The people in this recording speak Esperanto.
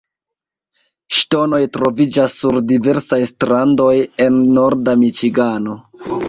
Ŝtonoj troviĝas sur diversaj strandoj en norda Miĉigano.